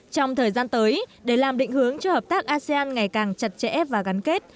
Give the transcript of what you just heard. trong thời gian tới để làm định hướng cho hợp tác asean ngày càng chặt chẽ và gắn kết